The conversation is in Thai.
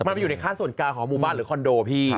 มันไปอยู่ในค่าส่วนกลางของหมู่บ้านหรือคอนโดพี่